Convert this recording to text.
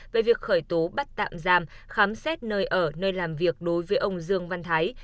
về việc khởi tố bắt tạm giam khám xét nơi ở nơi làm việc đối với ông dương văn thái